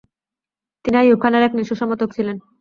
তিনি আইয়ুব খানের একনিষ্ঠ সমর্থক ছিলেন।